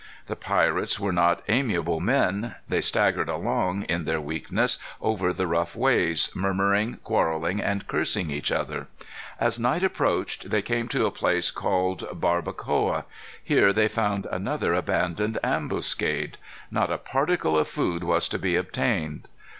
The pirates were not amiable men. They staggered along, in their weakness, over the rough ways, murmuring, quarrelling, and cursing each other. As night approached they came to a place called Barbacoa. Here they found another abandoned ambuscade. Not a particle of food was to be obtained.